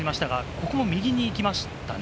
ここも右に行きましたね。